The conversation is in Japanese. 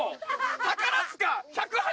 宝塚１０８